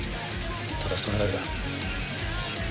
ただそれだけだ。